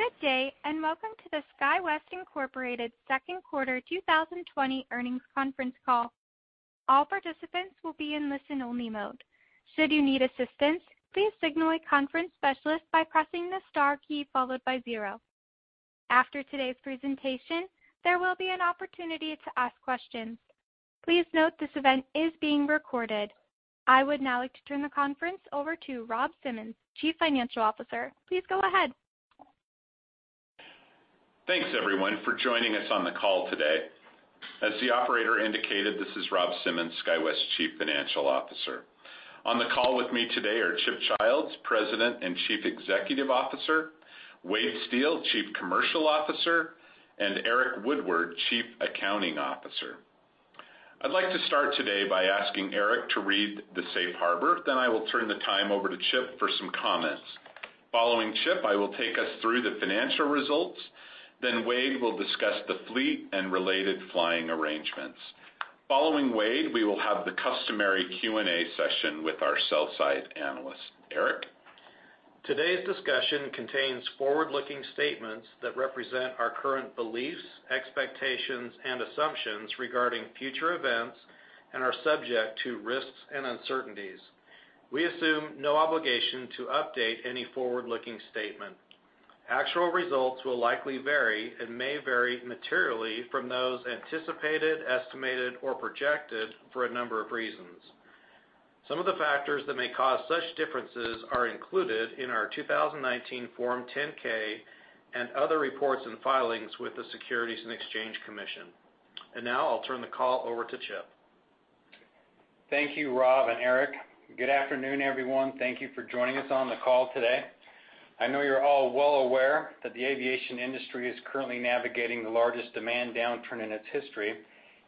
Good day, and welcome to the SkyWest Incorporated Second Quarter 2020 earnings conference call. All participants will be in listen-only mode. Should you need assistance, please signal a conference specialist by pressing the star key followed by zero. After today's presentation, there will be an opportunity to ask questions. Please note this event is being recorded. I would now like to turn the conference over to Rob Simmons, Chief Financial Officer. Please go ahead. Thanks, everyone, for joining us on the call today. As the operator indicated, this is Rob Simmons, SkyWest Chief Financial Officer. On the call with me today are Chip Childs, President and Chief Executive Officer, Wade Steel, Chief Commercial Officer, and Eric Woodward, Chief Accounting Officer. I'd like to start today by asking Eric to read the Safe Harbor, then I will turn the time over to Chip for some comments. Following Chip, I will take us through the financial results, then Wade will discuss the fleet and related flying arrangements. Following Wade, we will have the customary Q&A session with our sell-side analysts, Eric. Today's discussion contains forward-looking statements that represent our current beliefs, expectations, and assumptions regarding future events and are subject to risks and uncertainties. We assume no obligation to update any forward-looking statement. Actual results will likely vary and may vary materially from those anticipated, estimated, or projected for a number of reasons. Some of the factors that may cause such differences are included in our 2019 Form 10-K and other reports and filings with the Securities and Exchange Commission. And now I'll turn the call over to Chip. Thank you, Rob and Eric. Good afternoon, everyone. Thank you for joining us on the call today. I know you're all well aware that the aviation industry is currently navigating the largest demand downturn in its history,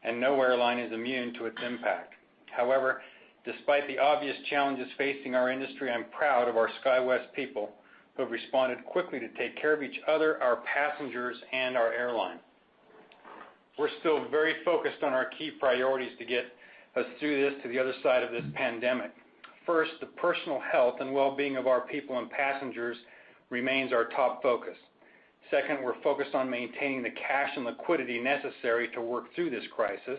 and no airline is immune to its impact. However, despite the obvious challenges facing our industry, I'm proud of our SkyWest people who have responded quickly to take care of each other, our passengers, and our airline. We're still very focused on our key priorities to get us through this to the other side of this pandemic. First, the personal health and well-being of our people and passengers remains our top focus. Second, we're focused on maintaining the cash and liquidity necessary to work through this crisis.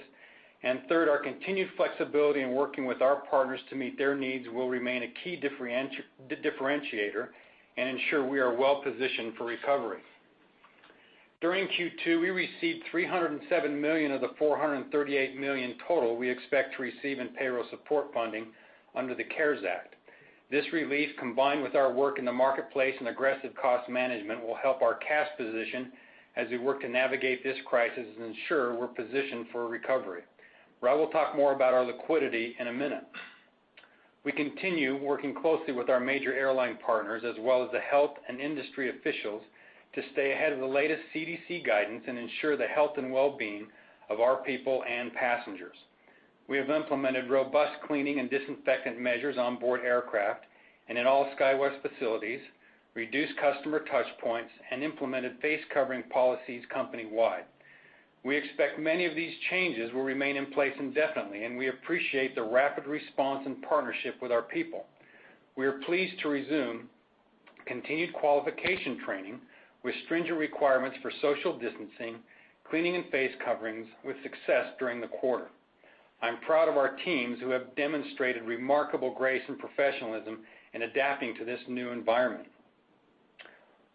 And third, our continued flexibility in working with our partners to meet their needs will remain a key differentiator and ensure we are well-positioned for recovery. During Q2, we received $307 million of the $438 million total we expect to receive in payroll support funding under the CARES Act. This relief, combined with our work in the marketplace and aggressive cost management, will help our cash position as we work to navigate this crisis and ensure we're positioned for recovery. Rob will talk more about our liquidity in a minute. We continue working closely with our major airline partners, as well as the health and industry officials, to stay ahead of the latest CDC guidance and ensure the health and well-being of our people and passengers. We have implemented robust cleaning and disinfectant measures onboard aircraft and in all SkyWest facilities, reduced customer touchpoints, and implemented face-covering policies company-wide. We expect many of these changes will remain in place indefinitely, and we appreciate the rapid response and partnership with our people. We are pleased to resume continued qualification training with stringent requirements for social distancing, cleaning, and face coverings with success during the quarter. I'm proud of our teams who have demonstrated remarkable grace and professionalism in adapting to this new environment.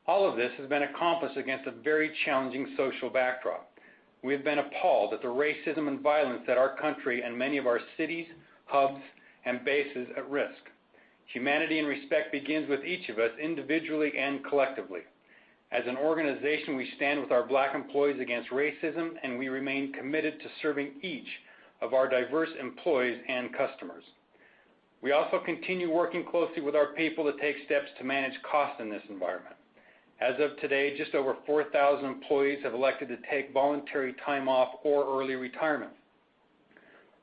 All of this has been accomplished against a very challenging social backdrop. We have been appalled at the racism and violence that our country and many of our cities, hubs, and bases are at risk. Humanity and respect begins with each of us, individually and collectively. As an organization, we stand with our Black employees against racism, and we remain committed to serving each of our diverse employees and customers. We also continue working closely with our people to take steps to manage costs in this environment. As of today, just over 4,000 employees have elected to take voluntary time off or early retirement.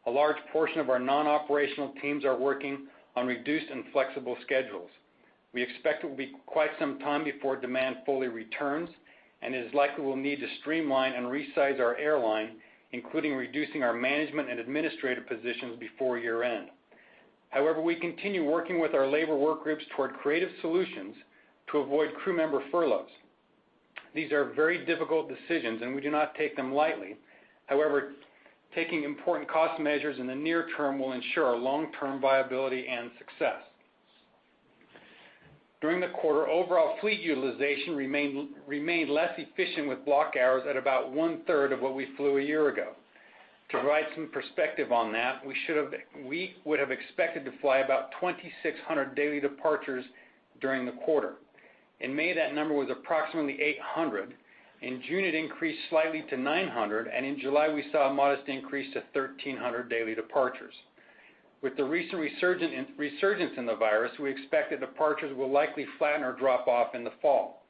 A large portion of our non-operational teams are working on reduced and flexible schedules. We expect it will be quite some time before demand fully returns, and it is likely we'll need to streamline and resize our airline, including reducing our management and administrative positions before year-end. However, we continue working with our labor workgroups toward creative solutions to avoid crew member furloughs. These are very difficult decisions, and we do not take them lightly. However, taking important cost measures in the near term will ensure our long-term viability and success. During the quarter, overall fleet utilization remained less efficient with block hours at about one-third of what we flew a year ago. To provide some perspective on that, we would have expected to fly about 2,600 daily departures during the quarter. In May, that number was approximately 800. In June, it increased slightly to 900, and in July, we saw a modest increase to 1,300 daily departures. With the recent resurgence in the virus, we expect that departures will likely flatten or drop off in the fall.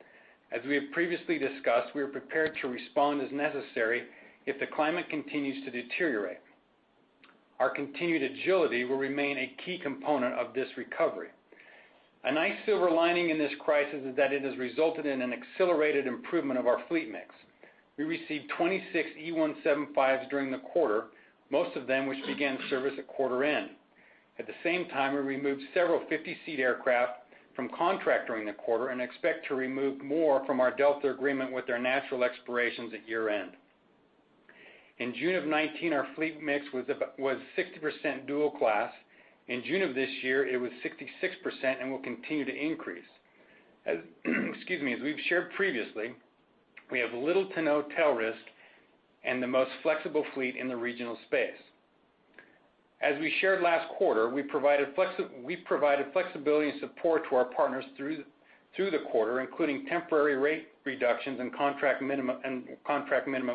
As we have previously discussed, we are prepared to respond as necessary if the climate continues to deteriorate. Our continued agility will remain a key component of this recovery. A nice silver lining in this crisis is that it has resulted in an accelerated improvement of our fleet mix. We received 26 E175s during the quarter, most of them which began service at quarter end. At the same time, we removed several 50-seat aircraft from contract during the quarter and expect to remove more from our Delta agreement with their natural expirations at year-end. In June of 2019, our fleet mix was 60% dual-class. In June of this year, it was 66% and will continue to increase. As we've shared previously, we have little to no tail risk and the most flexible fleet in the regional space. As we shared last quarter, we provided flexibility and support to our partners through the quarter, including temporary rate reductions and contract minimum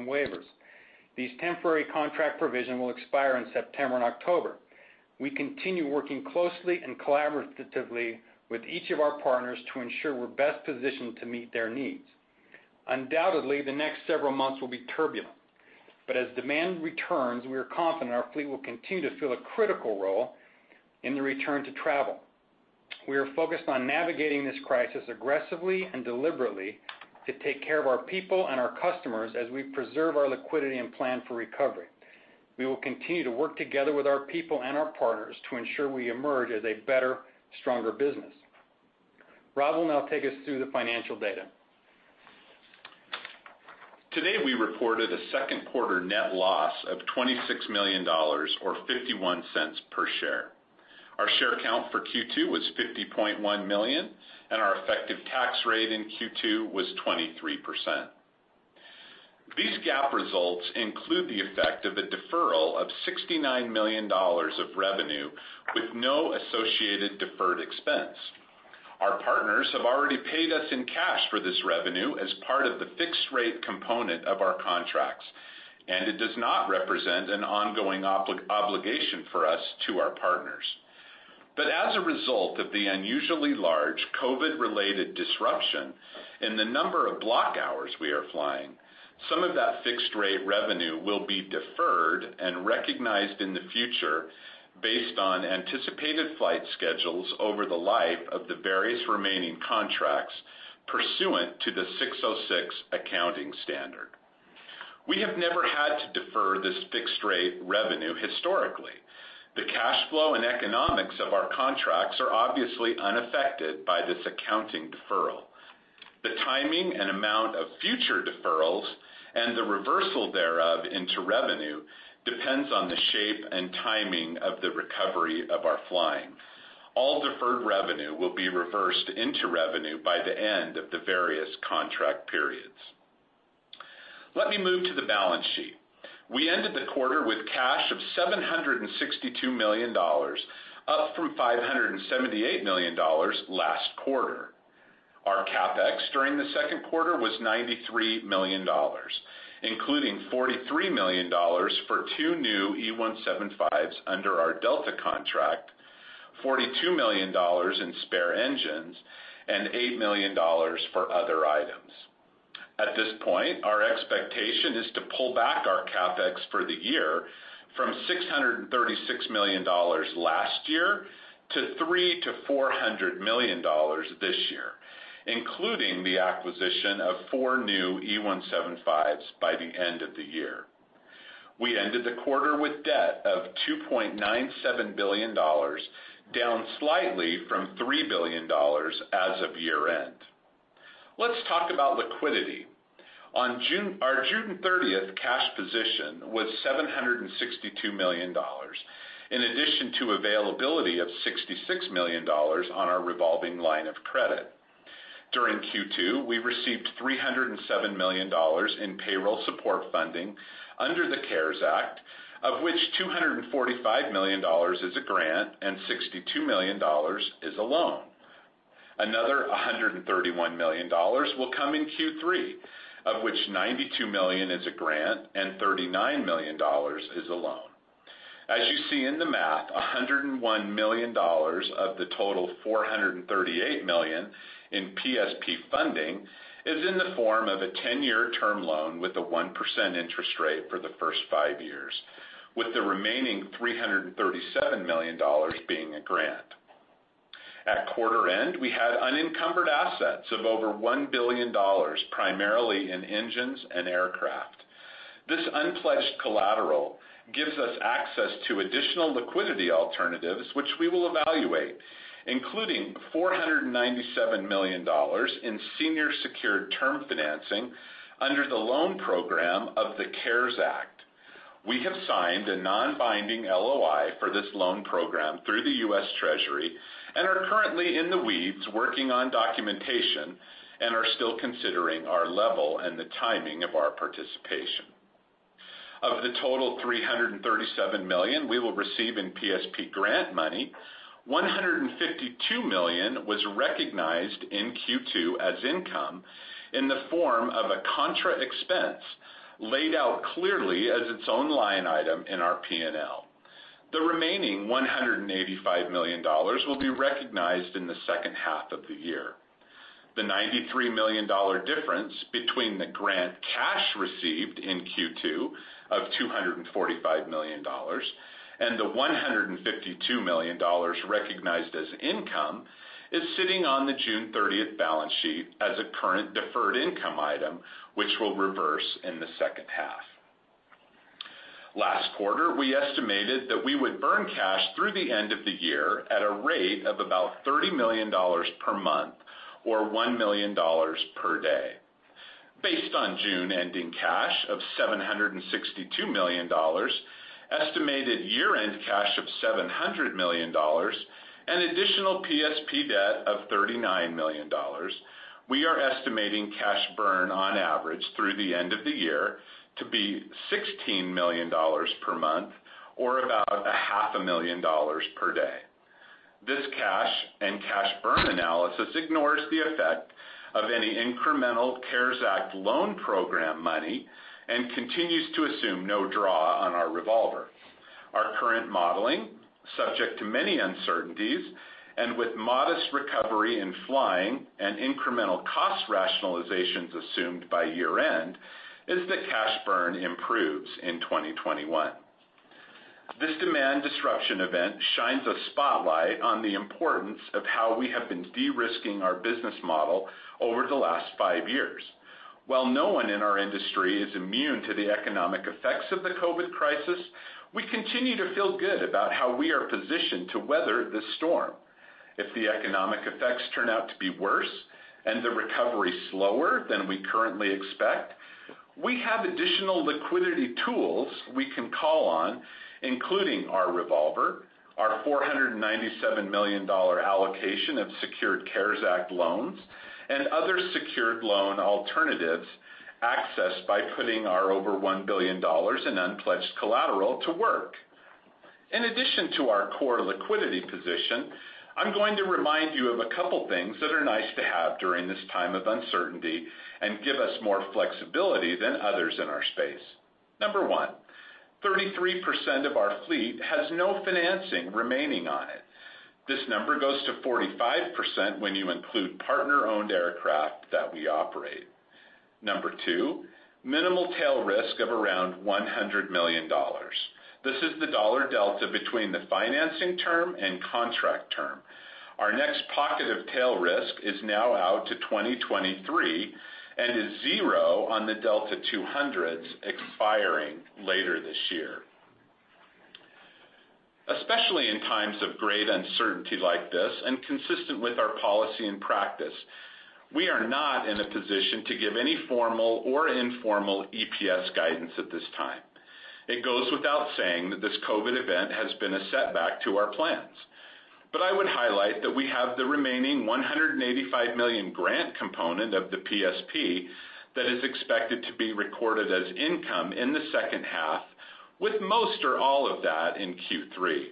waivers. These temporary contract provisions will expire in September and October. We continue working closely and collaboratively with each of our partners to ensure we're best positioned to meet their needs. Undoubtedly, the next several months will be turbulent, but as demand returns, we are confident our fleet will continue to fill a critical role in the return to travel. We are focused on navigating this crisis aggressively and deliberately to take care of our people and our customers as we preserve our liquidity and plan for recovery. We will continue to work together with our people and our partners to ensure we emerge as a better, stronger business. Rob will now take us through the financial data. Today, we reported a second quarter net loss of $26 million, or $0.51 per share. Our share count for Q2 was 50.1 million, and our effective tax rate in Q2 was 23%. These GAAP results include the effect of a deferral of $69 million of revenue with no associated deferred expense. Our partners have already paid us in cash for this revenue as part of the fixed-rate component of our contracts, and it does not represent an ongoing obligation for us to our partners. But as a result of the unusually large COVID-related disruption in the number of block hours we are flying, some of that fixed-rate revenue will be deferred and recognized in the future based on anticipated flight schedules over the life of the various remaining contracts pursuant to ASC 606. We have never had to defer this fixed-rate revenue historically. The cash flow and economics of our contracts are obviously unaffected by this accounting deferral. The timing and amount of future deferrals and the reversal thereof into revenue depends on the shape and timing of the recovery of our flying. All deferred revenue will be reversed into revenue by the end of the various contract periods. Let me move to the balance sheet. We ended the quarter with cash of $762 million, up from $578 million last quarter. Our CapEx during the second quarter was $93 million, including $43 million for two new E175s under our Delta contract, $42 million in spare engines, and $8 million for other items. At this point, our expectation is to pull back our CapEx for the year from $636 million last year to $300 million-$400 million this year, including the acquisition of four new E175s by the end of the year. We ended the quarter with debt of $2.97 billion, down slightly from $3 billion as of year-end. Let's talk about liquidity. On June 30th, our cash position was $762 million, in addition to availability of $66 million on our revolving line of credit. During Q2, we received $307 million in payroll support funding under the CARES Act, of which $245 million is a grant and $62 million is a loan. Another $131 million will come in Q3, of which $92 million is a grant and $39 million is a loan. As you see in the math, $101 million of the total $438 million in PSP funding is in the form of a 10-year term loan with a 1% interest rate for the first five years, with the remaining $337 million being a grant. At quarter end, we had unencumbered assets of over $1 billion, primarily in engines and aircraft. This unpledged collateral gives us access to additional liquidity alternatives, which we will evaluate, including $497 million in senior secured term financing under the loan program of the CARES Act. We have signed a non-binding LOI for this loan program through the U.S. Treasury and are currently in the weeds working on documentation and are still considering our level and the timing of our participation. Of the total $337 million we will receive in PSP grant money, $152 million was recognized in Q2 as income in the form of a contra expense laid out clearly as its own line item in our P&L. The remaining $185 million will be recognized in the second half of the year. The $93 million difference between the grant cash received in Q2 of $245 million and the $152 million recognized as income is sitting on the June 30th balance sheet as a current deferred income item, which will reverse in the second half. Last quarter, we estimated that we would burn cash through the end of the year at a rate of about $30 million per month, or $1 million per day. Based on June ending cash of $762 million, estimated year-end cash of $700 million, and additional PSP debt of $39 million, we are estimating cash burn on average through the end of the year to be $16 million per month, or about $500,000 per day. This cash and cash burn analysis ignores the effect of any incremental CARES Act loan program money and continues to assume no draw on our revolver. Our current modeling, subject to many uncertainties and with modest recovery in flying and incremental cost rationalizations assumed by year-end, is that cash burn improves in 2021. This demand disruption event shines a spotlight on the importance of how we have been de-risking our business model over the last five years. While no one in our industry is immune to the economic effects of the COVID crisis, we continue to feel good about how we are positioned to weather this storm. If the economic effects turn out to be worse and the recovery slower than we currently expect, we have additional liquidity tools we can call on, including our revolver, our $497 million allocation of secured CARES Act loans, and other secured loan alternatives accessed by putting our over $1 billion in unpledged collateral to work. In addition to our core liquidity position, I'm going to remind you of a couple of things that are nice to have during this time of uncertainty and give us more flexibility than others in our space. Number one, 33% of our fleet has no financing remaining on it. This number goes to 45% when you include partner-owned aircraft that we operate. Number two, minimal tail risk of around $100 million. This is the dollar delta between the financing term and contract term. Our next pocket of tail risk is now out to 2023 and is zero on the Delta 200s expiring later this year. Especially in times of great uncertainty like this and consistent with our policy and practice, we are not in a position to give any formal or informal EPS guidance at this time. It goes without saying that this COVID event has been a setback to our plans. But I would highlight that we have the remaining $185 million grant component of the PSP that is expected to be recorded as income in the second half, with most or all of that in Q3.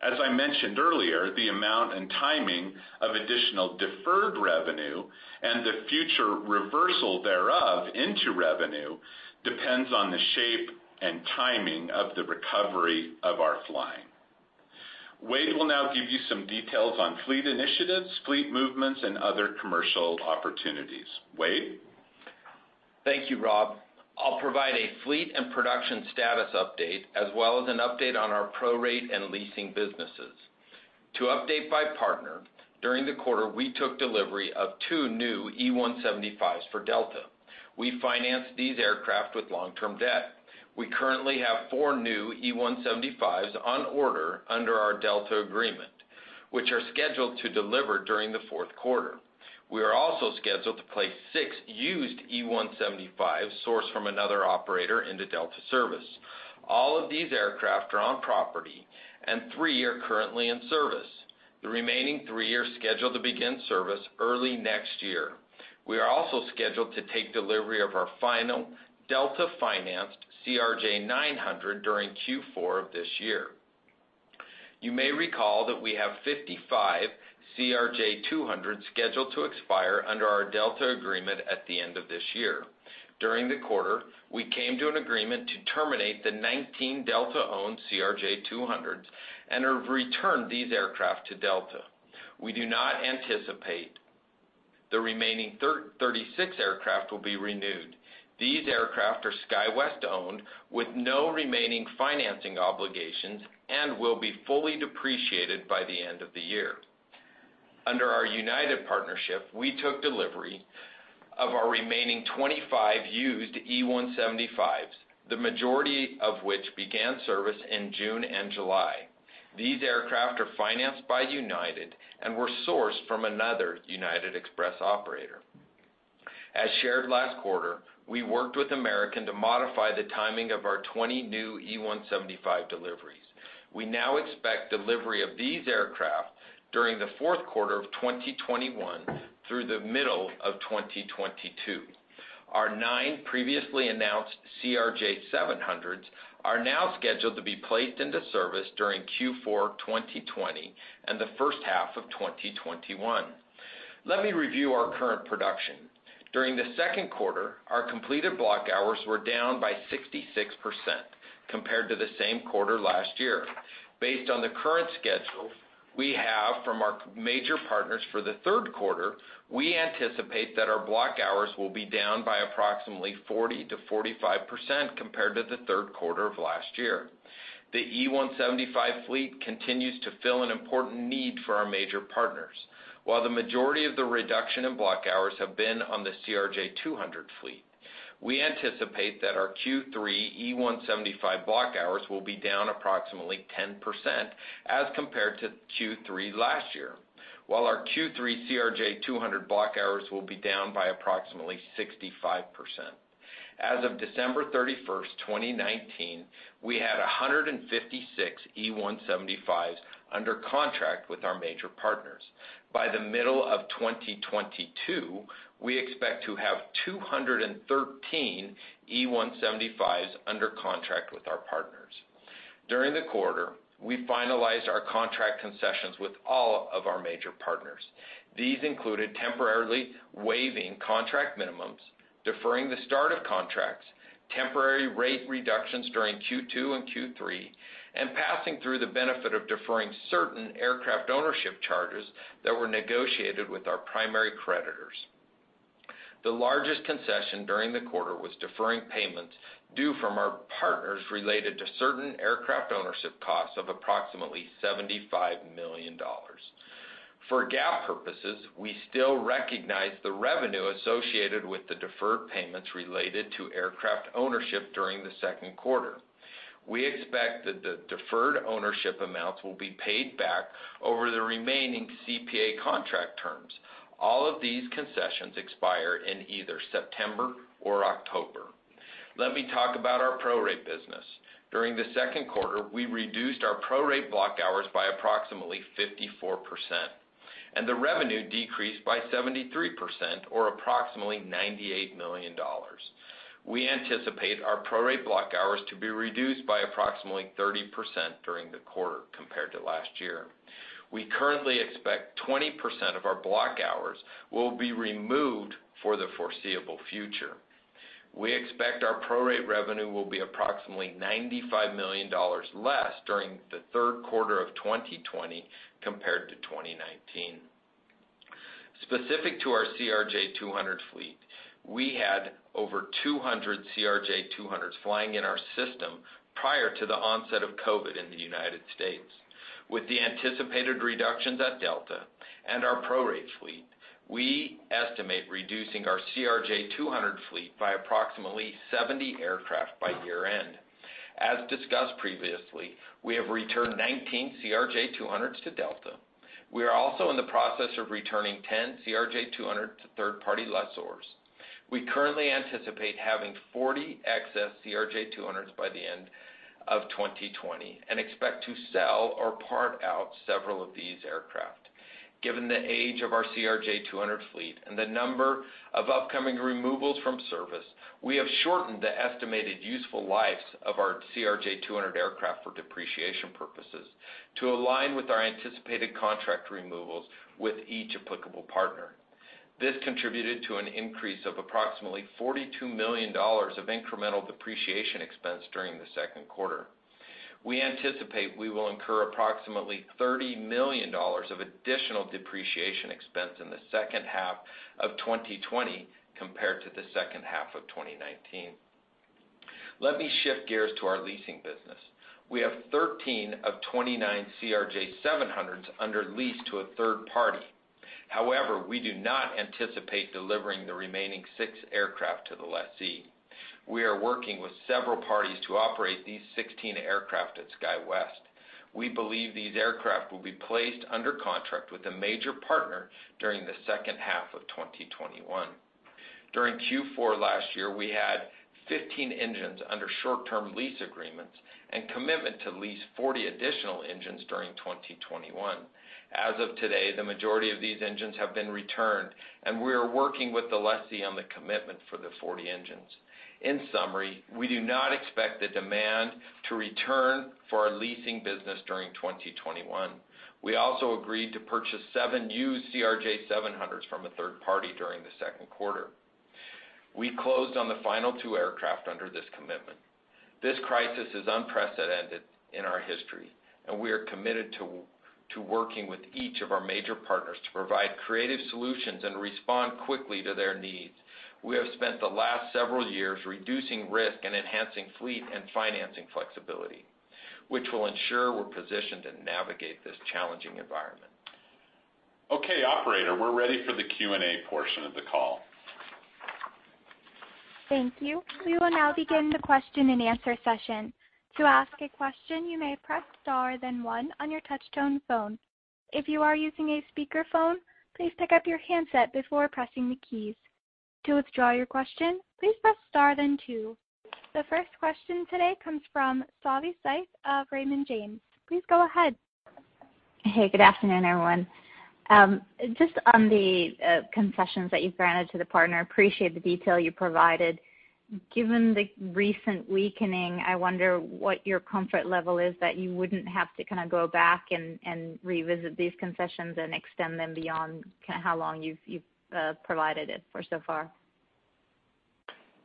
As I mentioned earlier, the amount and timing of additional deferred revenue and the future reversal thereof into revenue depends on the shape and timing of the recovery of our flying. Wade will now give you some details on fleet initiatives, fleet movements, and other commercial opportunities. Wade. Thank you, Rob. I'll provide a fleet and production status update, as well as an update on our prorate and leasing businesses. To update our partners, during the quarter, we took delivery of two new E175s for Delta. We financed these aircraft with long-term debt. We currently have four new E175s on order under our Delta agreement, which are scheduled to deliver during the fourth quarter. We are also scheduled to place six used E175s sourced from another operator into Delta service. All of these aircraft are on property, and three are currently in service. The remaining three are scheduled to begin service early next year. We are also scheduled to take delivery of our final Delta-financed CRJ900 during Q4 of this year. You may recall that we have 55 CRJ200s scheduled to expire under our Delta agreement at the end of this year. During the quarter, we came to an agreement to terminate the 19 Delta-owned CRJ200s and have returned these aircraft to Delta. We do not anticipate the remaining 36 aircraft will be renewed. These aircraft are SkyWest-owned with no remaining financing obligations and will be fully depreciated by the end of the year. Under our United partnership, we took delivery of our remaining 25 used E175s, the majority of which began service in June and July. These aircraft are financed by United and were sourced from another United Express operator. As shared last quarter, we worked with American to modify the timing of our 20 new E175 deliveries. We now expect delivery of these aircraft during the fourth quarter of 2021 through the middle of 2022. Our nine previously announced CRJ700s are now scheduled to be placed into service during Q4 2020 and the first half of 2021. Let me review our current production. During the second quarter, our completed block hours were down by 66% compared to the same quarter last year. Based on the current schedule we have from our major partners for the third quarter, we anticipate that our block hours will be down by approximately 40%-45% compared to the third quarter of last year. The E175 fleet continues to fill an important need for our major partners, while the majority of the reduction in block hours have been on the CRJ200 fleet. We anticipate that our Q3 E175 block hours will be down approximately 10% as compared to Q3 last year, while our Q3 CRJ200 block hours will be down by approximately 65%. As of December 31st, 2019, we had 156 E175s under contract with our major partners. By the middle of 2022, we expect to have 213 E175s under contract with our partners. During the quarter, we finalized our contract concessions with all of our major partners. These included temporarily waiving contract minimums, deferring the start of contracts, temporary rate reductions during Q2 and Q3, and passing through the benefit of deferring certain aircraft ownership charges that were negotiated with our primary creditors. The largest concession during the quarter was deferring payments due from our partners related to certain aircraft ownership costs of approximately $75 million. For GAAP purposes, we still recognize the revenue associated with the deferred payments related to aircraft ownership during the second quarter. We expect that the deferred ownership amounts will be paid back over the remaining CPA contract terms. All of these concessions expire in either September or October. Let me talk about our prorate business. During the second quarter, we reduced our prorate block hours by approximately 54%, and the revenue decreased by 73%, or approximately $98 million. We anticipate our prorate block hours to be reduced by approximately 30% during the quarter compared to last year. We currently expect 20% of our block hours will be removed for the foreseeable future. We expect our prorate revenue will be approximately $95 million less during the third quarter of 2020 compared to 2019. Specific to our CRJ200 fleet, we had over 200 CRJ200s flying in our system prior to the onset of COVID in the United States. With the anticipated reductions at Delta and our prorate fleet, we estimate reducing our CRJ200 fleet by approximately 70 aircraft by year-end. As discussed previously, we have returned 19 CRJ200s to Delta. We are also in the process of returning 10 CRJ200s to third-party lessors. We currently anticipate having 40 excess CRJ200s by the end of 2020 and expect to sell or part out several of these aircraft. Given the age of our CRJ200 fleet and the number of upcoming removals from service, we have shortened the estimated useful lives of our CRJ200 aircraft for depreciation purposes to align with our anticipated contract removals with each applicable partner. This contributed to an increase of approximately $42 million of incremental depreciation expense during the second quarter. We anticipate we will incur approximately $30 million of additional depreciation expense in the second half of 2020 compared to the second half of 2019. Let me shift gears to our leasing business. We have 13 of 29 CRJ700s under lease to a third party. However, we do not anticipate delivering the remaining six aircraft to the lessee. We are working with several parties to operate these 16 aircraft at SkyWest. We believe these aircraft will be placed under contract with a major partner during the second half of 2021. During Q4 last year, we had 15 engines under short-term lease agreements and commitment to lease 40 additional engines during 2021. As of today, the majority of these engines have been returned, and we are working with the lessee on the commitment for the 40 engines. In summary, we do not expect the demand to return for our leasing business during 2021. We also agreed to purchase seven used CRJ700s from a third party during the second quarter. We closed on the final two aircraft under this commitment. This crisis is unprecedented in our history, and we are committed to working with each of our major partners to provide creative solutions and respond quickly to their needs. We have spent the last several years reducing risk and enhancing fleet and financing flexibility, which will ensure we're positioned to navigate this challenging environment. Okay, Operator, we're ready for the Q&A portion of the call. Thank you. We will now begin the question-and-answer session. To ask a question, you may press star then one on your touch-tone phone. If you are using a speakerphone, please pick up your handset before pressing the keys. To withdraw your question, please press star then two. The first question today comes from Savanthi Syth of Raymond James. Please go ahead. Hey, good afternoon, everyone. Just on the concessions that you've granted to the partner, appreciate the detail you provided. Given the recent weakening, I wonder what your comfort level is that you wouldn't have to kind of go back and revisit these concessions and extend them beyond kind of how long you've provided it for so far.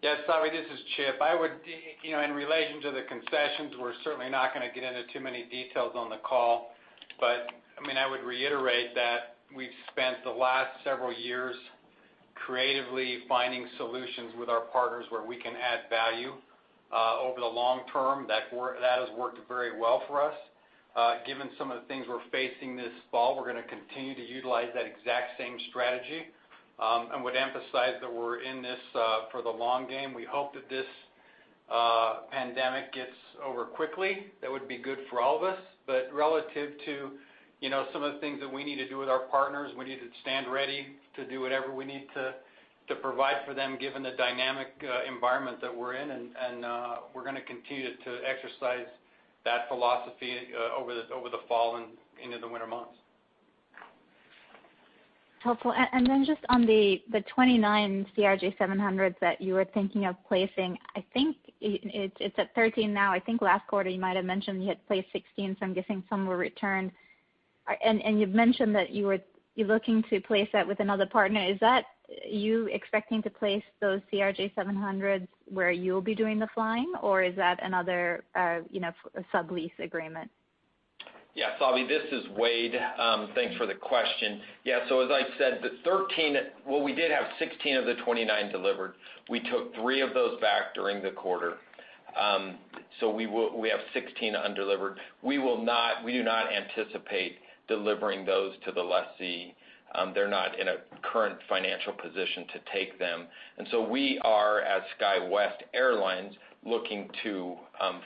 Yes, Savanthi, this is Chip. In relation to the concessions, we're certainly not going to get into too many details on the call, but I mean, I would reiterate that we've spent the last several years creatively finding solutions with our partners where we can add value over the long term. That has worked very well for us. Given some of the things we're facing this fall, we're going to continue to utilize that exact same strategy. I would emphasize that we're in this for the long game. We hope that this pandemic gets over quickly. That would be good for all of us. But relative to some of the things that we need to do with our partners, we need to stand ready to do whatever we need to provide for them, given the dynamic environment that we're in. We're going to continue to exercise that philosophy over the fall and into the winter months. Helpful. And then just on the 29 CRJ700s that you were thinking of placing, I think it's at 13 now. I think last quarter you might have mentioned you had placed 16, so I'm guessing some were returned. And you've mentioned that you were looking to place that with another partner. Is that you expecting to place those CRJ700s where you'll be doing the flying, or is that another sub-lease agreement? Yeah, Savanthi, this is Wade. Thanks for the question. Yeah, so as I said, well, we did have 16 of the 29 delivered. We took three of those back during the quarter, so we have 16 undelivered. We do not anticipate delivering those to the lessee. They're not in a current financial position to take them. And so we are, as SkyWest Airlines, looking to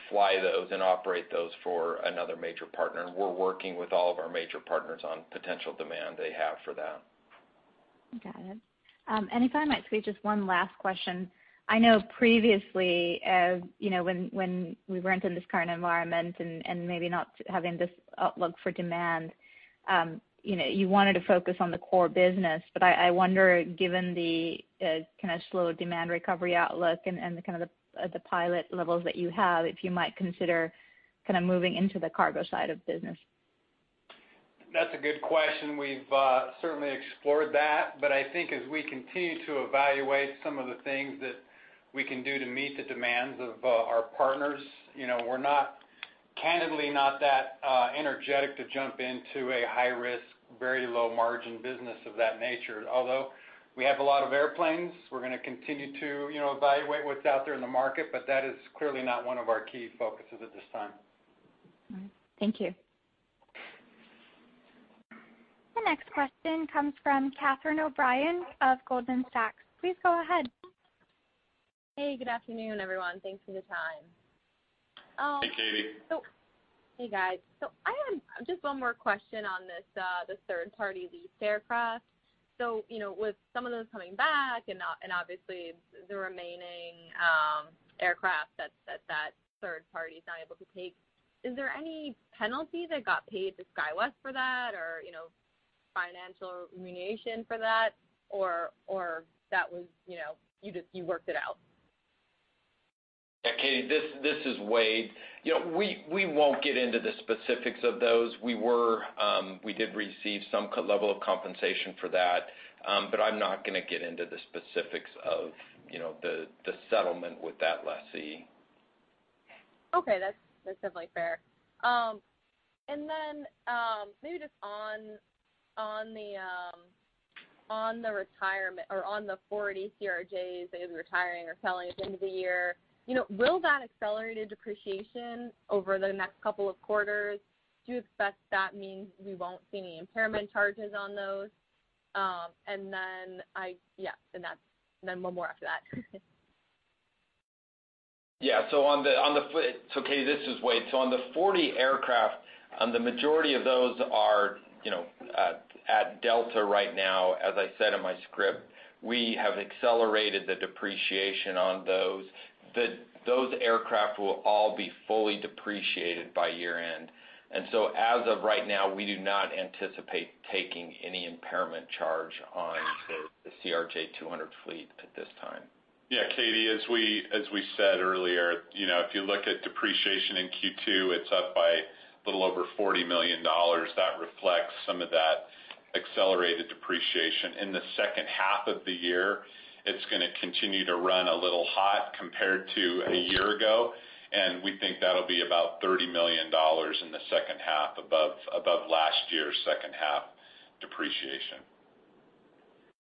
fly those and operate those for another major partner. And we're working with all of our major partners on potential demand they have for that. Got it. And if I might squeeze just one last question. I know previously, when we weren't in this current environment and maybe not having this outlook for demand, you wanted to focus on the core business. But I wonder, given the kind of slow demand recovery outlook and kind of the pilot levels that you have, if you might consider kind of moving into the cargo side of business? That's a good question. We've certainly explored that, but I think as we continue to evaluate some of the things that we can do to meet the demands of our partners, we're candidly not that energetic to jump into a high-risk, very low-margin business of that nature. Although we have a lot of airplanes, we're going to continue to evaluate what's out there in the market, but that is clearly not one of our key focuses at this time. Thank you. The next question comes from Catherine O'Brien of Goldman Sachs. Please go ahead. Hey, good afternoon, everyone. Thanks for the time. Hey, Katie. Hey, guys. So I have just one more question on this third-party leased aircraft. So with some of those coming back and obviously the remaining aircraft that that third party is not able to take, is there any penalty that got paid to SkyWest for that or financial remuneration for that, or that you worked it out? Yeah, Katie, this is Wade. We won't get into the specifics of those. We did receive some level of compensation for that, but I'm not going to get into the specifics of the settlement with that lessee. Okay, that's definitely fair. And then maybe just on the retirement or on the 40 CRJs that you'll be retiring or selling at the end of the year, will that accelerated depreciation over the next couple of quarters, do you expect that means we won't see any impairment charges on those? And then, yeah, and then one more after that. Yeah, so on the, Katie, this is Wade. So on the 40 aircraft, the majority of those are at Delta right now. As I said in my script, we have accelerated the depreciation on those. Those aircraft will all be fully depreciated by year-end. And so as of right now, we do not anticipate taking any impairment charge on the CRJ200 fleet at this time. Yeah, Katie, as we said earlier, if you look at depreciation in Q2, it's up by a little over $40 million. That reflects some of that accelerated depreciation. In the second half of the year, it's going to continue to run a little hot compared to a year ago, and we think that'll be about $30 million in the second half above last year's second half depreciation.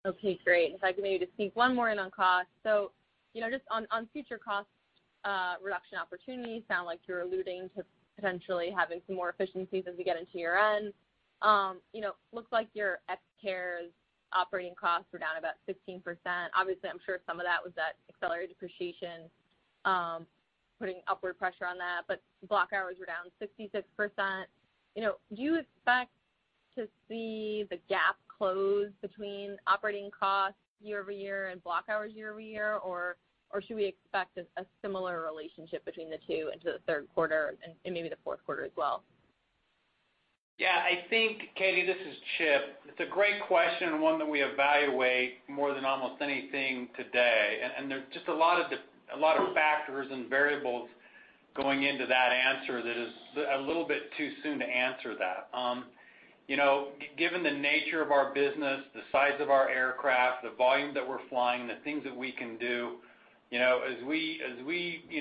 Okay, great. If I could maybe just squeeze one more in on cost. So just on future cost reduction opportunities, sounds like you're alluding to potentially having some more efficiencies as we get into year-end. Looks like your CARES operating costs were down about 16%. Obviously, I'm sure some of that was that accelerated depreciation putting upward pressure on that, but block hours were down 66%. Do you expect to see the gap close between operating costs year-over-year and block hours year-over-year, or should we expect a similar relationship between the two into the third quarter and maybe the fourth quarter as well? Yeah, I think, Katie, this is Chip. It's a great question and one that we evaluate more than almost anything today. And there's just a lot of factors and variables going into that answer that it's a little bit too soon to answer that. Given the nature of our business, the size of our aircraft, the volume that we're flying, the things that we can do, as we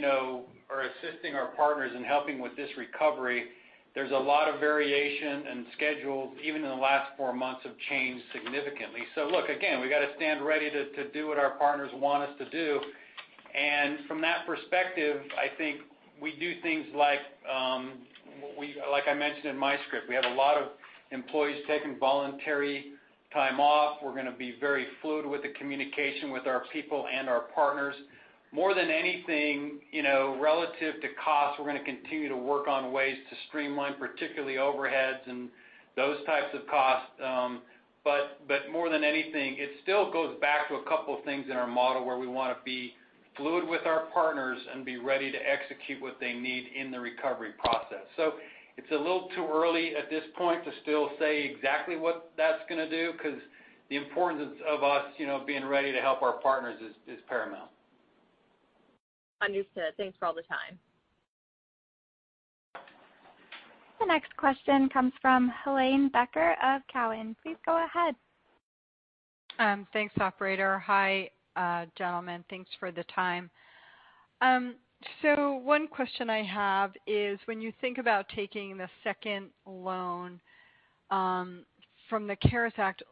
are assisting our partners and helping with this recovery, there's a lot of variation and schedules, even in the last four months, have changed significantly. So look, again, we got to stand ready to do what our partners want us to do. And from that perspective, I think we do things like, like I mentioned in my script, we have a lot of employees taking voluntary time off. We're going to be very fluid with the communication with our people and our partners. More than anything, relative to costs, we're going to continue to work on ways to streamline, particularly overheads and those types of costs. But more than anything, it still goes back to a couple of things in our model where we want to be fluid with our partners and be ready to execute what they need in the recovery process. So it's a little too early at this point to still say exactly what that's going to do because the importance of us being ready to help our partners is paramount. Understood. Thanks for all the time. The next question comes from Helane Becker of Cowen. Please go ahead. Thanks, Operator. Hi, gentlemen. Thanks for the time. So one question I have is, when you think about taking the second loan from the CARES Act,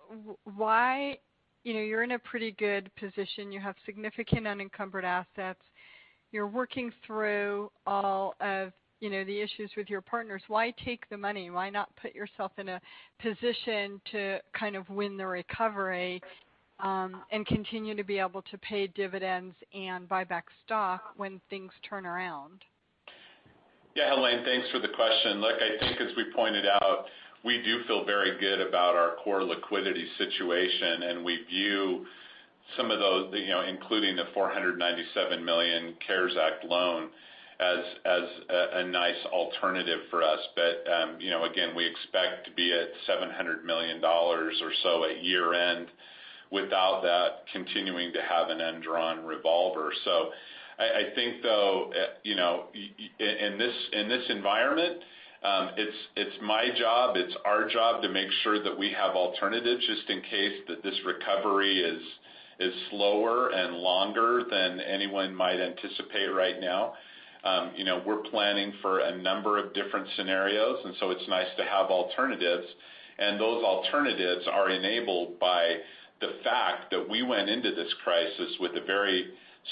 you're in a pretty good position. You have significant unencumbered assets. You're working through all of the issues with your partners. Why take the money? Why not put yourself in a position to kind of win the recovery and continue to be able to pay dividends and buy back stock when things turn around? Yeah, Helane, thanks for the question. Look, I think as we pointed out, we do feel very good about our core liquidity situation, and we view some of those, including the $497 million CARES Act loan, as a nice alternative for us. But again, we expect to be at $700 million or so at year-end without that continuing to have an undrawn revolver. So I think, though, in this environment, it's my job. It's our job to make sure that we have alternatives just in case that this recovery is slower and longer than anyone might anticipate right now. We're planning for a number of different scenarios, and so it's nice to have alternatives. Those alternatives are enabled by the fact that we went into this crisis with a very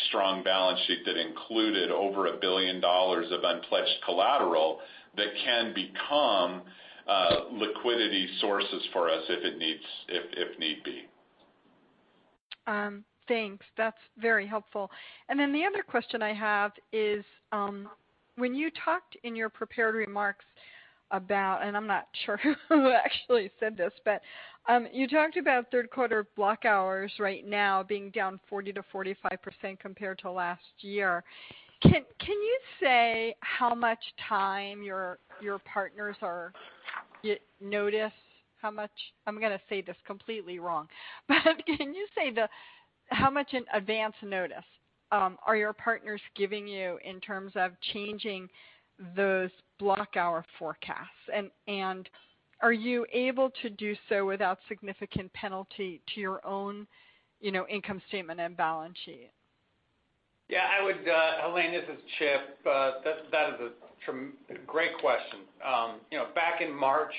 strong balance sheet that included over $1 billion of unpledged collateral that can become liquidity sources for us if need be. Thanks. That's very helpful. And then the other question I have is, when you talked in your prepared remarks about, and I'm not sure who actually said this, but you talked about third-quarter block hours right now being down 40%-45% compared to last year. Can you say how much time your partners notice how much, I'm going to say this completely wrong, but can you say how much in advance notice are your partners giving you in terms of changing those block hour forecasts? And are you able to do so without significant penalty to your own income statement and balance sheet? Yeah, Helane, this is Chip. That is a great question. Back in March,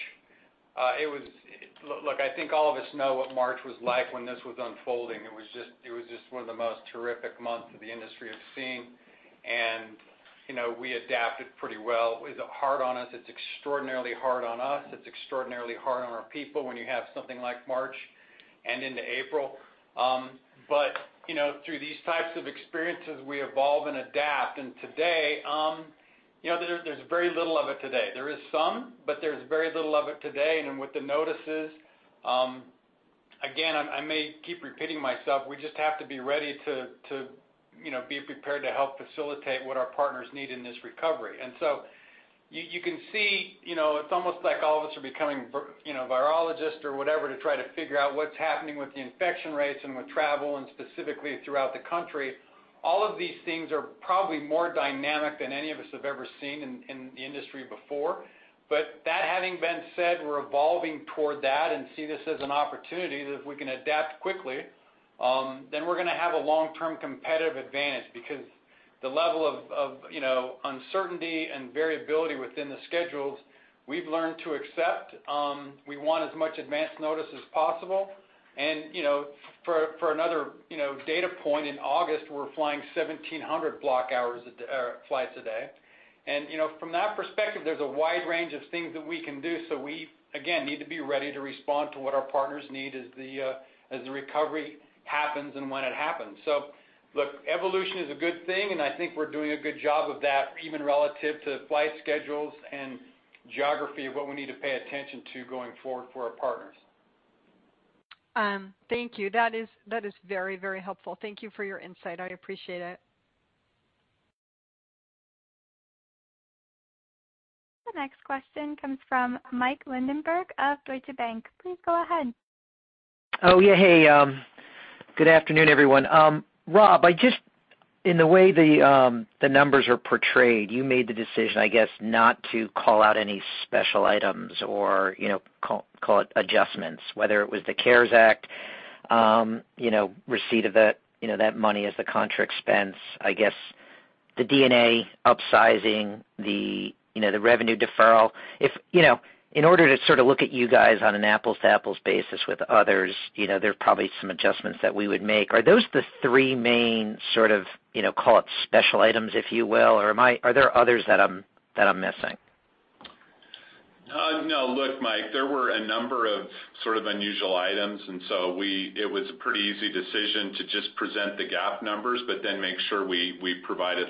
it was. Look, I think all of us know what March was like when this was unfolding. It was just one of the most terrific months that the industry has seen, and we adapted pretty well. It was hard on us. It's extraordinarily hard on us. It's extraordinarily hard on our people when you have something like March and into April. But through these types of experiences, we evolve and adapt. And today, there's very little of it today. There is some, but there's very little of it today. And with the notices, again, I may keep repeating myself, we just have to be ready to be prepared to help facilitate what our partners need in this recovery. And so you can see it's almost like all of us are becoming virologists or whatever to try to figure out what's happening with the infection rates and with travel and specifically throughout the country. All of these things are probably more dynamic than any of us have ever seen in the industry before. But that having been said, we're evolving toward that and see this as an opportunity. If we can adapt quickly, then we're going to have a long-term competitive advantage because the level of uncertainty and variability within the schedules. We've learned to accept. We want as much advance notice as possible, and for another data point, in August, we're flying 1,700 flights a day, and from that perspective, there's a wide range of things that we can do. So we, again, need to be ready to respond to what our partners need as the recovery happens and when it happens. So look, evolution is a good thing, and I think we're doing a good job of that even relative to flight schedules and geography of what we need to pay attention to going forward for our partners. Thank you. That is very, very helpful. Thank you for your insight. I appreciate it. The next question comes from Mike Linenberg of Deutsche Bank. Please go ahead. Oh, yeah. Hey, good afternoon, everyone. Rob, I just, in the way the numbers are portrayed, you made the decision, I guess, not to call out any special items or call it adjustments, whether it was the CARES Act receipt of that money as the contra expense, I guess, the E175 upsizing, the revenue deferral. In order to sort of look at you guys on an apples-to-apples basis with others, there are probably some adjustments that we would make. Are those the three main sort of, call it, special items, if you will? Or are there others that I'm missing? No, look, Mike, there were a number of sort of unusual items, and so it was a pretty easy decision to just present the GAAP numbers, but then make sure we provided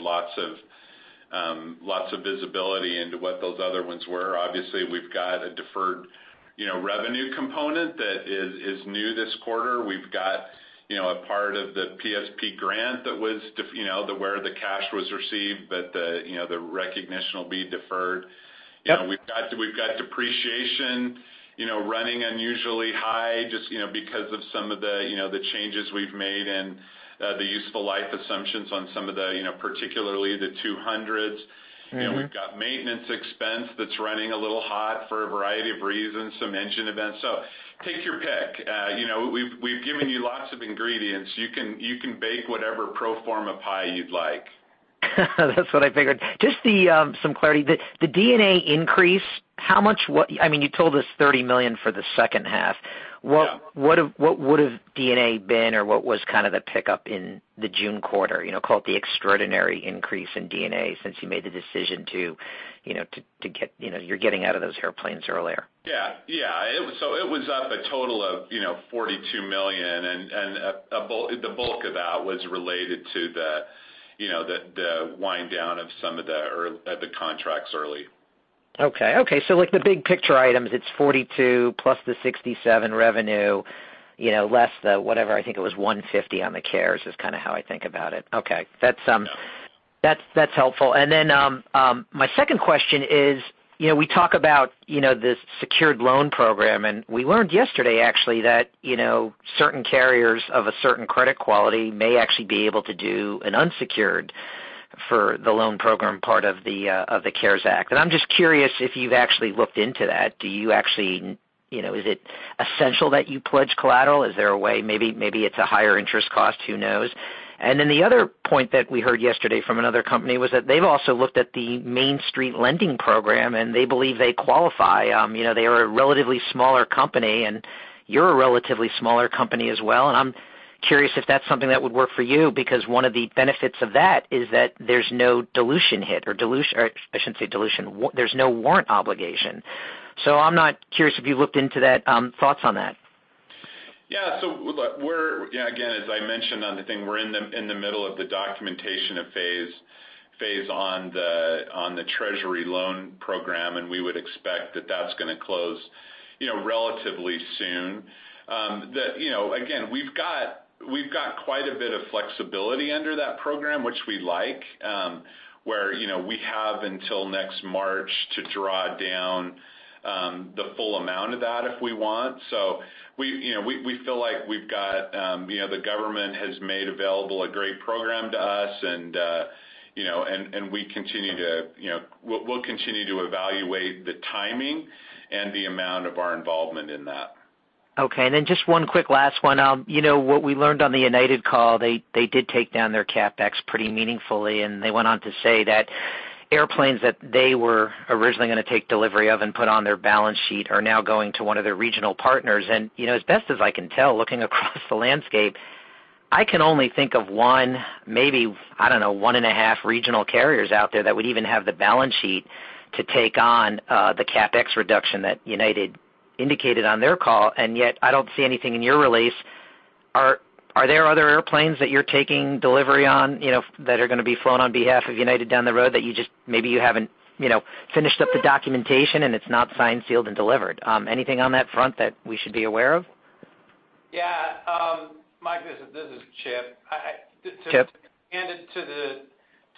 lots of visibility into what those other ones were. Obviously, we've got a deferred revenue component that is new this quarter. We've got a part of the PSP grant that was where the cash was received, but the recognition will be deferred. We've got depreciation running unusually high just because of some of the changes we've made and the useful life assumptions on some of the, particularly the 200s. We've got maintenance expense that's running a little hot for a variety of reasons, some engine events. So pick your pick. We've given you lots of ingredients. You can bake whatever pro forma pie you'd like. That's what I figured. Just some clarity. The D&A increase, how much? I mean, you told us $30 million for the second half. What would have D&A been or what was kind of the pickup in the June quarter? Call it the extraordinary increase in D&A since you made the decision to get—you're getting out of those airplanes earlier. Yeah, yeah. So it was up a total of $42 million, and the bulk of that was related to the wind down of some of the contracts early. Okay, okay. So the big picture items, it's $42 plus the $67 revenue less the whatever. I think it was $150 on the CARES is kind of how I think about it. Okay. That's helpful. And then my second question is, we talk about this secured loan program, and we learned yesterday, actually, that certain carriers of a certain credit quality may actually be able to do an unsecured for the loan program part of the CARES Act. And I'm just curious if you've actually looked into that. Do you actually—is it essential that you pledge collateral? Is there a way? Maybe it's a higher interest cost. Who knows? And then the other point that we heard yesterday from another company was that they've also looked at the Main Street Lending Program, and they believe they qualify. They are a relatively smaller company, and you're a relatively smaller company as well. And I'm curious if that's something that would work for you because one of the benefits of that is that there's no dilution hit or—I shouldn't say dilution. There's no warrant obligation. So I'm curious if you've looked into that. Thoughts on that? Yeah. So look, again, as I mentioned on the thing, we're in the middle of the documentation phase on the Treasury loan program, and we would expect that that's going to close relatively soon. Again, we've got quite a bit of flexibility under that program, which we like, where we have until next March to draw down the full amount of that if we want. So we feel like the government has made available a great program to us, and we'll continue to evaluate the timing and the amount of our involvement in that. Okay. And then just one quick last one. What we learned on the United call, they did take down their CapEx pretty meaningfully, and they went on to say that airplanes that they were originally going to take delivery of and put on their balance sheet are now going to one of their regional partners. And as best as I can tell, looking across the landscape, I can only think of one, maybe, I don't know, one and a half regional carriers out there that would even have the balance sheet to take on the CapEx reduction that United indicated on their call. And yet, I don't see anything in your release. Are there other airplanes that you're taking delivery on that are going to be flown on behalf of United down the road that you just, maybe you haven't finished up the documentation, and it's not signed, sealed, and delivered? Anything on that front that we should be aware of? Yeah. Mike, this is Chip. Chip. To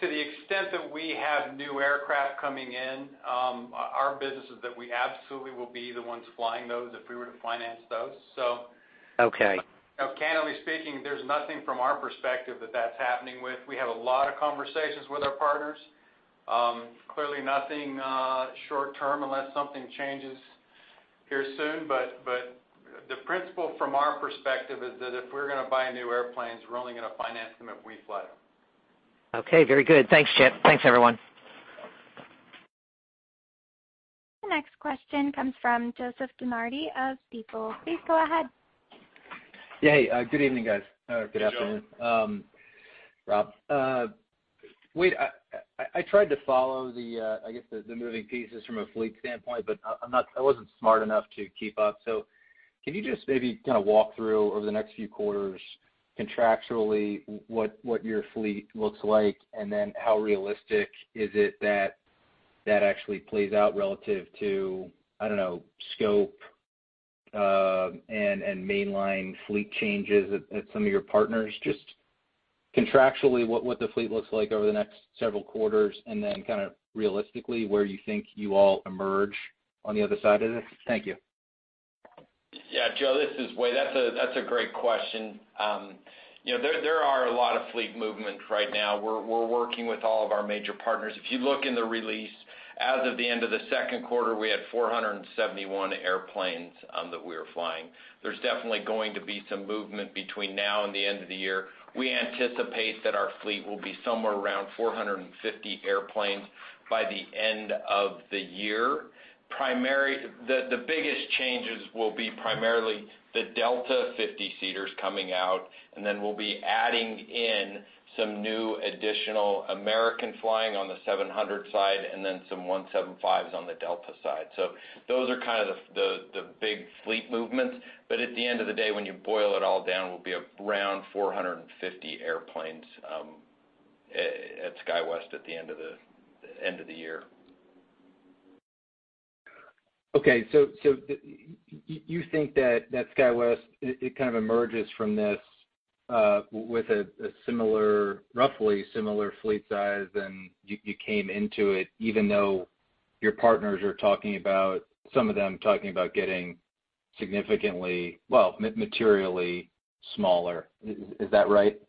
the extent that we have new aircraft coming in, our business is that we absolutely will be the ones flying those if we were to finance those. So candidly speaking, there's nothing from our perspective that that's happening with. We have a lot of conversations with our partners. Clearly, nothing short-term unless something changes here soon. But the principle from our perspective is that if we're going to buy new airplanes, we're only going to finance them if we fly them. Okay. Very good. Thanks, Chip. Thanks, everyone. The next question comes from Joseph DeNardi of Stifel. Please go ahead. Yeah. Hey. Good evening, guys. Good afternoon, Rob. Wait. I tried to follow the, I guess, the moving pieces from a fleet standpoint, but I wasn't smart enough to keep up, so can you just maybe kind of walk through over the next few quarters contractually what your fleet looks like, and then how realistic is it that that actually plays out relative to, I don't know, scope and mainline fleet changes at some of your partners? Just contractually, what the fleet looks like over the next several quarters, and then kind of realistically where you think you all emerge on the other side of this? Thank you. Yeah. Joe, this is Wade. That's a great question. There are a lot of fleet movements right now. We're working with all of our major partners. If you look in the release, as of the end of the second quarter, we had 471 airplanes that we were flying. There's definitely going to be some movement between now and the end of the year. We anticipate that our fleet will be somewhere around 450 airplanes by the end of the year. The biggest changes will be primarily the Delta 50-seaters coming out, and then we'll be adding in some new additional American flying on the 700 side and then some 175s on the Delta side. So those are kind of the big fleet movements. But at the end of the day, when you boil it all down, we'll be around 450 airplanes at SkyWest at the end of the year. Okay, so you think that SkyWest, it kind of emerges from this with a similar, roughly similar fleet size than you came into it, even though your partners are talking about some of them talking about getting significantly, well, materially smaller. Is that right?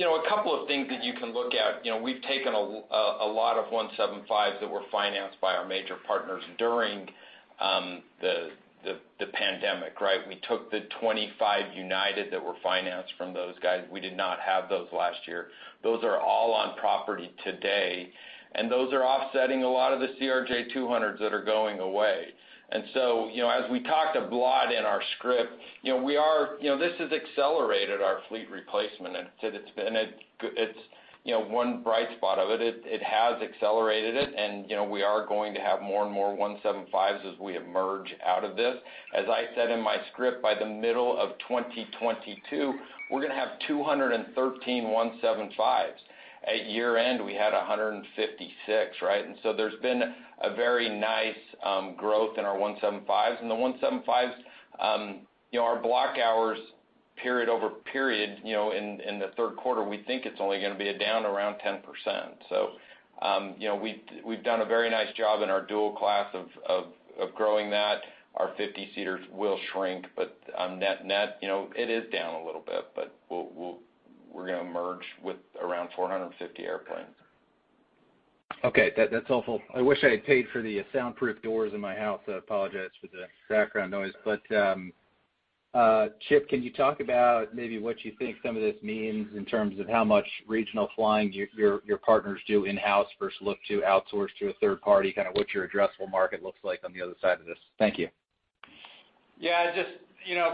A couple of things that you can look at. We've taken a lot of 175s that were financed by our major partners during the pandemic, right? We took the 25 United that were financed from those guys. We did not have those last year. Those are all on property today, and those are offsetting a lot of the CRJ200s that are going away. And so as we talked a lot in our script, we are, this has accelerated our fleet replacement. It's been one bright spot of it. It has accelerated it, and we are going to have more and more 175s as we emerge out of this. As I said in my script, by the middle of 2022, we're going to have 213 175s. At year-end, we had 156, right? And so there's been a very nice growth in our 175s. And the 175s, our block hours period over period in the third quarter, we think it's only going to be down around 10%. So we've done a very nice job in our dual class of growing that. Our 50-seaters will shrink, but net-net, it is down a little bit, but we're going to emerge with around 450 airplanes. Okay. That's helpful. I wish I had paid for the soundproof doors in my house. I apologize for the background noise. But Chip, can you talk about maybe what you think some of this means in terms of how much regional flying your partners do in-house versus look to outsource to a third party, kind of what your addressable market looks like on the other side of this? Thank you. Yeah. Just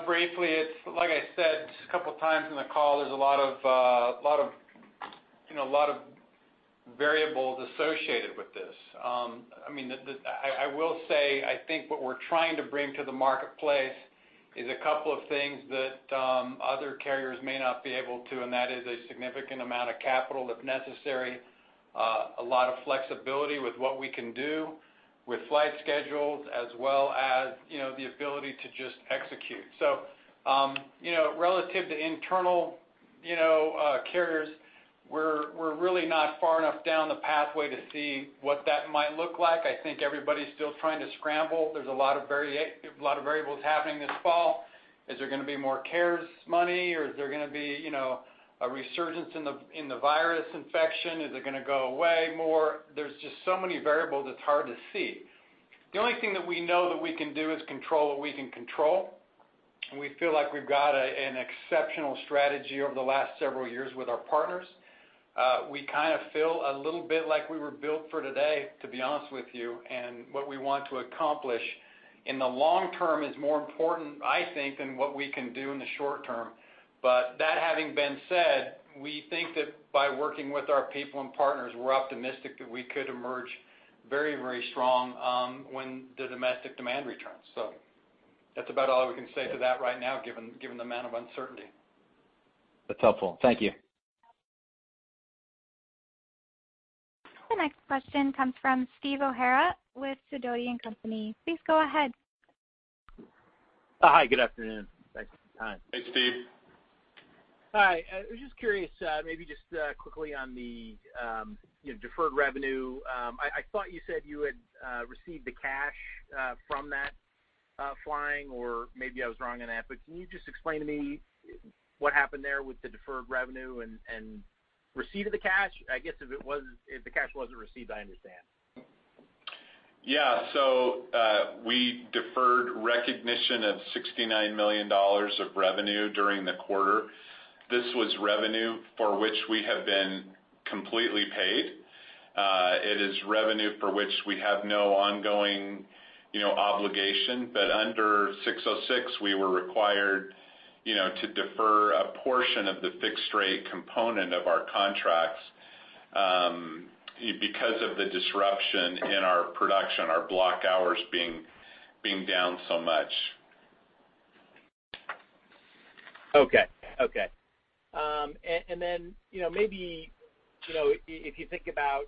briefly, it's like I said a couple of times in the call, there's a lot of, a lot of variables associated with this. I mean, I will say I think what we're trying to bring to the marketplace is a couple of things that other carriers may not be able to, and that is a significant amount of capital if necessary, a lot of flexibility with what we can do with flight schedules, as well as the ability to just execute. So relative to internal carriers, we're really not far enough down the pathway to see what that might look like. I think everybody's still trying to scramble. There's a lot of variables happening this fall. Is there going to be more CARES money, or is there going to be a resurgence in the virus infection? Is it going to go away more? There's just so many variables it's hard to see. The only thing that we know that we can do is control what we can control. And we feel like we've got an exceptional strategy over the last several years with our partners. We kind of feel a little bit like we were built for today, to be honest with you. And what we want to accomplish in the long term is more important, I think, than what we can do in the short term. But that having been said, we think that by working with our people and partners, we're optimistic that we could emerge very, very strong when the domestic demand returns. So that's about all we can say to that right now, given the amount of uncertainty. That's helpful. Thank you. The next question comes from Steve O'Hara with Sidoti & Company. Please go ahead. Hi. Good afternoon. Thanks for the time. Hey, Steve. Hi. I was just curious, maybe just quickly on the deferred revenue. I thought you said you had received the cash from that flying, or maybe I was wrong on that. But can you just explain to me what happened there with the deferred revenue and receipt of the cash? I guess if the cash wasn't received, I understand. Yeah, so we deferred recognition of $69 million of revenue during the quarter. This was revenue for which we have been completely paid. It is revenue for which we have no ongoing obligation. But under 606, we were required to defer a portion of the fixed-rate component of our contracts because of the disruption in our production, our block hours being down so much. Okay. Okay, and then maybe if you think about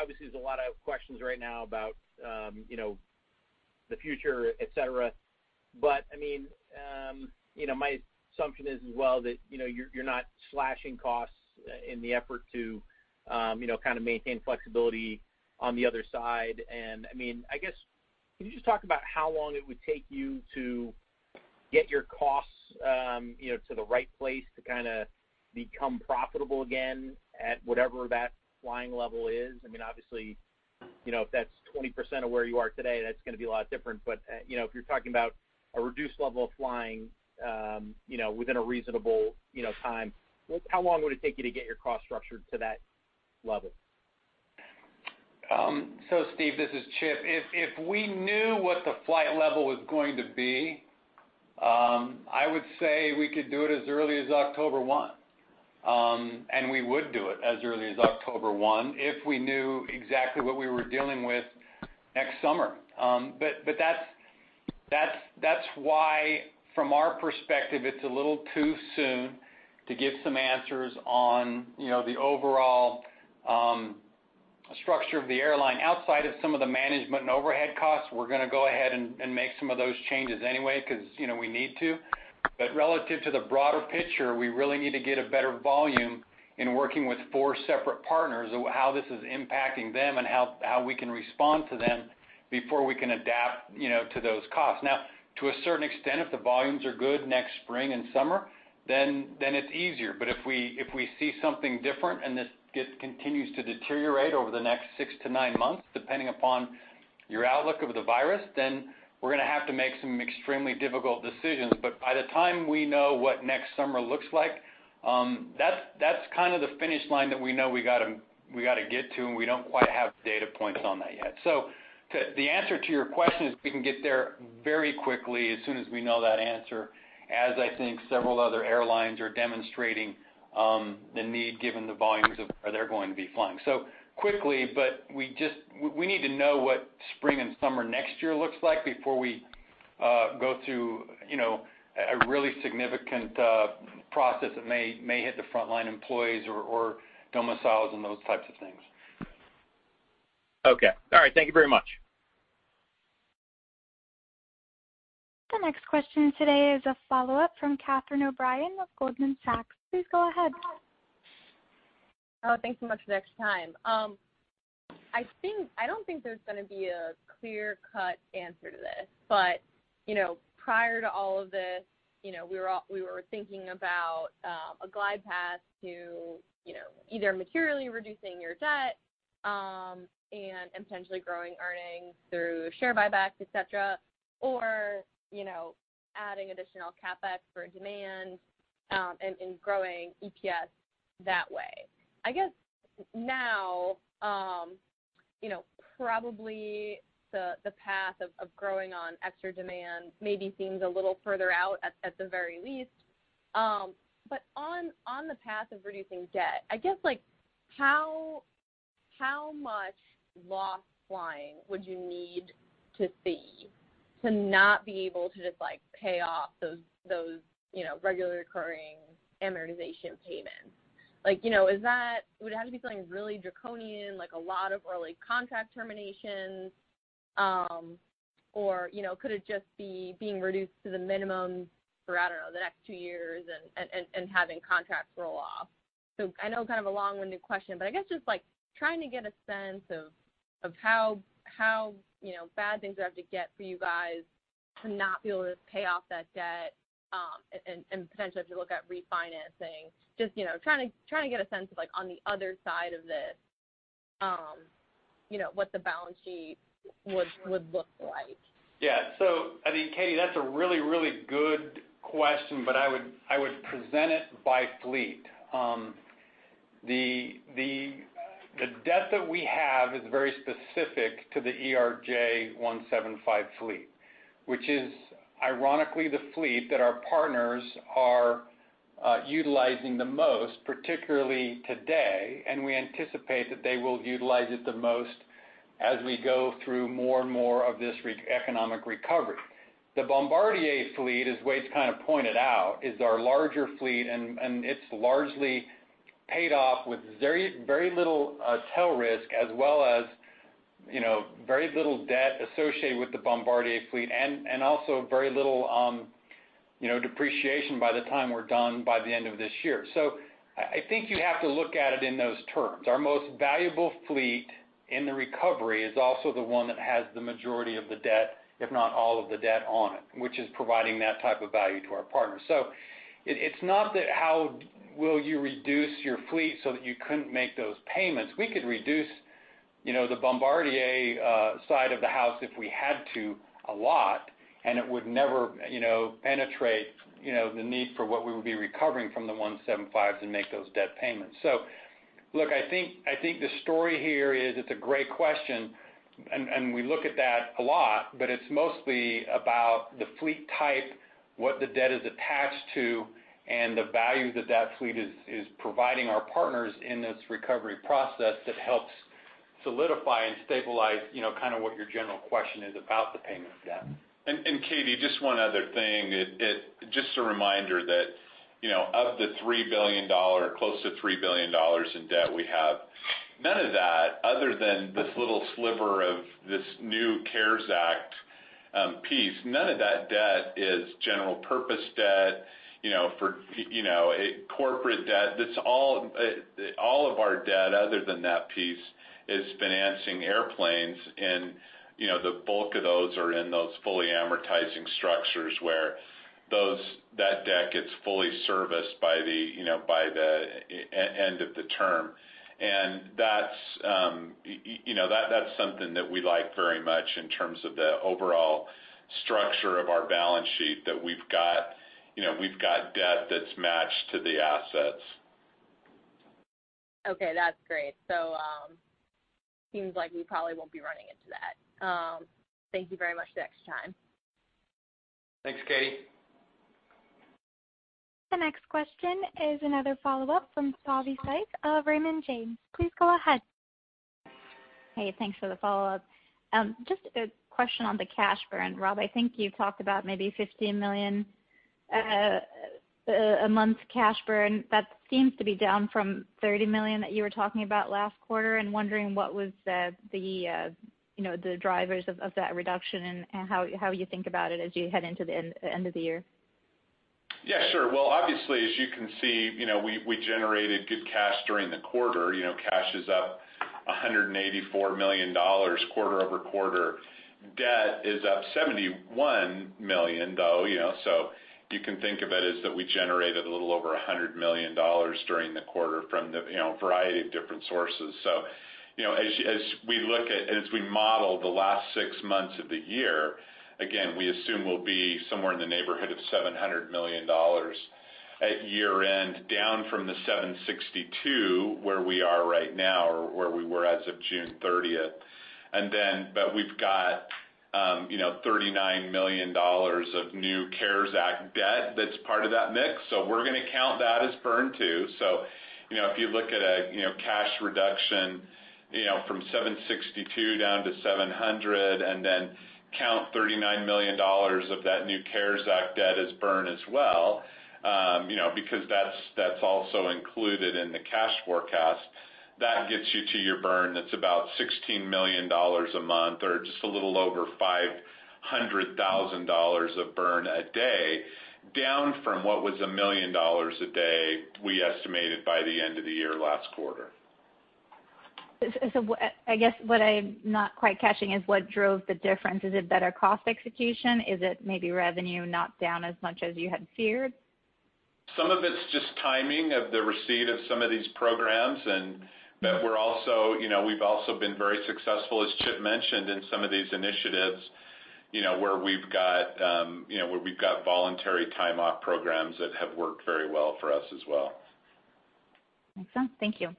obviously, there's a lot of questions right now about the future, etc. But I mean, my assumption is as well that you're not slashing costs in the effort to kind of maintain flexibility on the other side, and I mean, I guess can you just talk about how long it would take you to get your costs to the right place to kind of become profitable again at whatever that flying level is? I mean, obviously, if that's 20% of where you are today, that's going to be a lot different, but if you're talking about a reduced level of flying within a reasonable time, how long would it take you to get your cost structured to that level? So, Steve, this is Chip. If we knew what the flight level was going to be, I would say we could do it as early as October 1. And we would do it as early as October 1 if we knew exactly what we were dealing with next summer. But that's why, from our perspective, it's a little too soon to give some answers on the overall structure of the airline. Outside of some of the management and overhead costs, we're going to go ahead and make some of those changes anyway because we need to. But relative to the broader picture, we really need to get a better volume in working with four separate partners of how this is impacting them and how we can respond to them before we can adapt to those costs. Now, to a certain extent, if the volumes are good next spring and summer, then it's easier. But if we see something different and this continues to deteriorate over the next six to nine months, depending upon your outlook of the virus, then we're going to have to make some extremely difficult decisions. But by the time we know what next summer looks like, that's kind of the finish line that we know we got to get to, and we don't quite have data points on that yet. So the answer to your question is we can get there very quickly as soon as we know that answer, as I think several other airlines are demonstrating the need given the volumes of where they're going to be flying. So, quickly, but we need to know what spring and summer next year looks like before we go through a really significant process that may hit the frontline employees or domiciles and those types of things. Okay. All right. Thank you very much. The next question today is a follow-up from Catherine O'Brien of Goldman Sachs. Please go ahead. Oh, thanks so much for the extra time. I don't think there's going to be a clear-cut answer to this. But prior to all of this, we were thinking about a glide path to either materially reducing your debt and potentially growing earnings through share buybacks, etc., or adding additional CapEx for demand and growing EPS that way. I guess now probably the path of growing on extra demand maybe seems a little further out at the very least. But on the path of reducing debt, I guess how much lost flying would you need to see to not be able to just pay off those regular recurring amortization payments? Would it have to be something really draconian, like a lot of early contract terminations, or could it just be being reduced to the minimum for, I don't know, the next two years and having contracts roll off? So I know kind of a long-winded question, but I guess just trying to get a sense of how bad things would have to get for you guys to not be able to pay off that debt and potentially have to look at refinancing. Just trying to get a sense of on the other side of this, what the balance sheet would look like. Yeah. So I mean, Katie, that's a really, really good question, but I would present it by fleet. The debt that we have is very specific to the ERJ 175 fleet, which is ironically the fleet that our partners are utilizing the most, particularly today, and we anticipate that they will utilize it the most as we go through more and more of this economic recovery. The Bombardier fleet, as Wade's kind of pointed out, is our larger fleet, and it's largely paid off with very little tail risk, as well as very little debt associated with the Bombardier fleet, and also very little depreciation by the time we're done by the end of this year. So I think you have to look at it in those terms. Our most valuable fleet in the recovery is also the one that has the majority of the debt, if not all of the debt on it, which is providing that type of value to our partners. So it's not that. How will you reduce your fleet so that you couldn't make those payments? We could reduce the Bombardier side of the house if we had to a lot, and it would never penetrate the need for what we would be recovering from the 175s and make those debt payments. So look, I think the story here is it's a great question, and we look at that a lot, but it's mostly about the fleet type, what the debt is attached to, and the value that that fleet is providing our partners in this recovery process that helps solidify and stabilize kind of what your general question is about the payment of debt. And Katie, just one other thing. Just a reminder that of the $3 billion, close to $3 billion in debt we have, none of that, other than this little sliver of this new CARES Act piece, none of that debt is general purpose debt, for corporate debt. All of our debt, other than that piece, is financing airplanes, and the bulk of those are in those fully amortizing structures where that debt gets fully serviced by the end of the term. That's something that we like very much in terms of the overall structure of our balance sheet that we've got debt that's matched to the assets. Okay. That's great. So it seems like we probably won't be running into that. Thank you very much for the extra time. Thanks, Katie. The next question is another follow-up from Savanthi Syth of Raymond James. Please go ahead. Hey, thanks for the follow-up. Just a question on the cash burn. Rob, I think you talked about maybe $15 million a month cash burn. That seems to be down from $30 million that you were talking about last quarter. I'm wondering what was the drivers of that reduction and how you think about it as you head into the end of the year. Yeah. Sure. Well, obviously, as you can see, we generated good cash during the quarter. Cash is up $184 million, quarter over quarter. Debt is up $71 million, though. So you can think of it as that we generated a little over $100 million during the quarter from a variety of different sources. So as we look at and as we model the last six months of the year, again, we assume we'll be somewhere in the neighborhood of $700 million at year-end, down from the $762 million where we are right now or where we were as of June 30th. But we've got $39 million of new CARES Act debt that's part of that mix. So we're going to count that as burn too. So if you look at a cash reduction from 762 down to 700 and then count $39 million of that new CARES Act debt as burn as well, because that's also included in the cash forecast, that gets you to your burn that's about $16 million a month or just a little over $500,000 of burn a day, down from what was $1 million a day we estimated by the end of the year last quarter. So I guess what I'm not quite catching is what drove the difference. Is it better cost execution? Is it maybe revenue not down as much as you had feared? Some of it's just timing of the receipt of some of these programs. But we've also been very successful, as Chip mentioned, in some of these initiatives where we've got voluntary time-off programs that have worked very well for us as well. Makes sense. Thank you.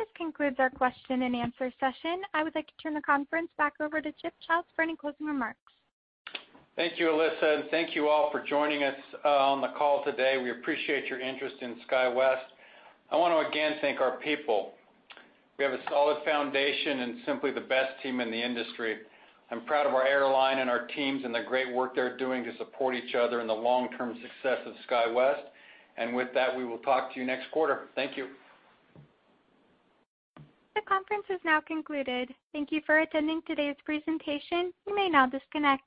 This concludes our question and answer session. I would like to turn the conference back over to Chip Childs for any closing remarks. Thank you, Alyssa. And thank you all for joining us on the call today. We appreciate your interest in SkyWest. I want to again thank our people. We have a solid foundation and simply the best team in the industry. I'm proud of our airline and our teams and the great work they're doing to support each other and the long-term success of SkyWest. And with that, we will talk to you next quarter. Thank you. The conference is now concluded. Thank you for attending today's presentation. You may now disconnect.